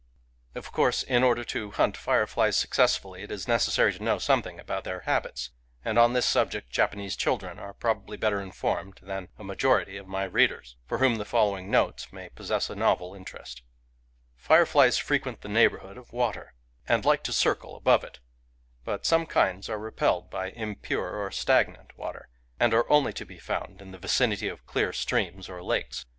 Of course, in order to hunt fireflies successfully, it is necessary to know something about their habits; and on this subject Japanese children are probably better informed than a majority of my readers, for whom the following notes may possess a novel interest: — Fireflies frequent the neighbourhood of water, and like to circle above it; but some kinds are repelled by impure or stagnant water, and are only to be found in the vicinity of clear streams or lakes.